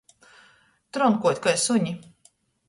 Tronkuot kai suni.